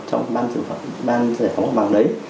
trong ban giải phóng mặt bằng đấy